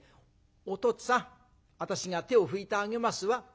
お父つぁん私が手を拭いてあげますわ。